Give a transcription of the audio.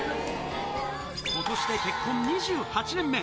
ことしで結婚２８年目。